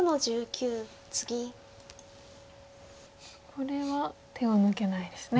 これは手を抜けないですね。